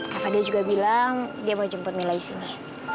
kak fadil juga bilang dia mau jemput mila disini